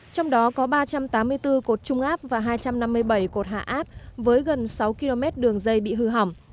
trong đó có ba trăm tám mươi bốn cột trung áp và hai trăm năm mươi bảy cột hạ áp với gần sáu km đường dây bị hư hỏng